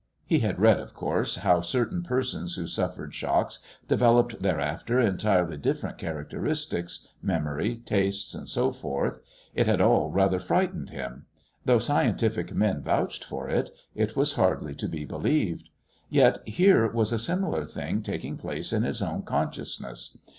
He had read, of course, how certain persons who suffered shocks developed thereafter entirely different characteristics, memory, tastes, and so forth. It had all rather frightened him. Though scientific men vouched for it, it was hardly to be believed. Yet here was a similar thing taking place in his own consciousness.